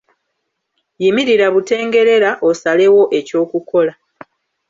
Yimirira butengerera, osalewo eky'okukola.